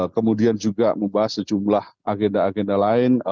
kemudian juga membahas sejumlah agenda agenda lain